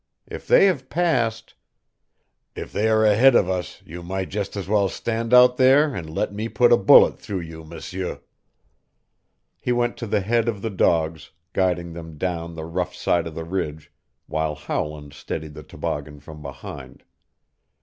If they have passed " "If they are ahead of us you might just as well stand out there and let me put a bullet through you, M'seur." He went to the head of the dogs, guiding them down the rough side of the ridge, while Howland steadied the toboggan from behind.